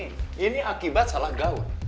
ini ini akibat salah gawat